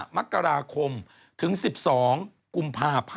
๑๕มคถึง๑๒กพ